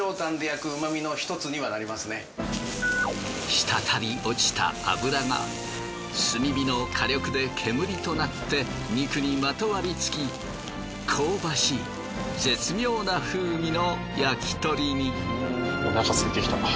したたり落ちた脂が炭火の火力で煙となって肉にまとわりつき香ばしい絶妙な風味の焼き鳥に。